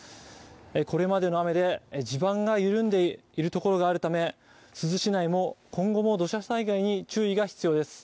これまでの雨で地盤が緩んでいるところがあるため、珠洲市内も今後も土砂災害に注意が必要です。